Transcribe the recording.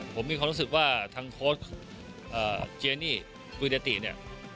ผมมีความรู้สึกว่าทางโค้ชเจนี่กุยเดติเนี่ย